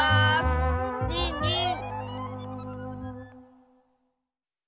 ニンニン！